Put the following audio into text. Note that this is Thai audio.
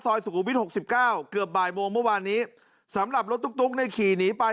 สุขุมวิทยหกสิบเก้าเกือบบ่ายโมงเมื่อวานนี้สำหรับรถตุ๊กเนี่ยขี่หนีไป